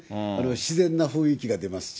自然な雰囲気が出ますし。